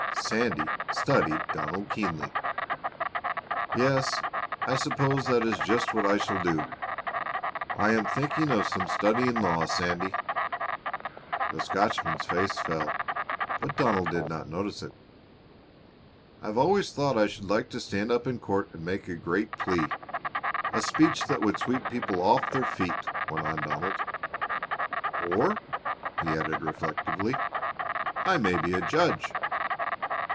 Sandy studied Donald keenly. "Yes, I suppose that is just what I shall do. I am thinking some of studying law, Sandy." The Scotchman's face fell, but Donald did not notice it. "I've always thought I should like to stand up in court and make a great plea a speech that would sweep people off their feet," went on Donald. "Or," he added reflectively, "I may be a judge."